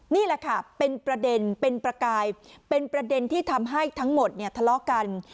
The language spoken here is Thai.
นี่แหละค่ะเป็นประเด็นเป็นประกายเป็นประเด็นที่ทำให้ทั้งหมดเนี่ยทะเลาะกัน